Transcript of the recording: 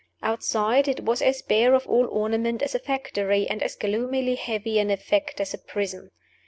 Outside, it was as bare of all ornament as a factory, and as gloomily heavy in effect as a prison.